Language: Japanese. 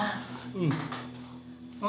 うん。